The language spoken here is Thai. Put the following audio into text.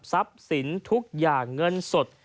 ทรัพย์สินทุกอย่างเงินสด